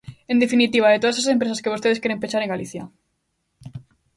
En definitiva, de todas as empresas que vostedes queren pechar en Galicia.